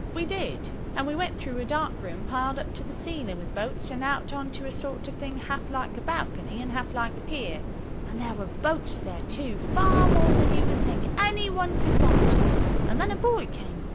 We did, and we went through a dark room piled up to the ceiling with boats and out on to a sort of thing half like a balcony and half like a pier. And there were boats there too, far more than you would think any one could want; an then a boy came.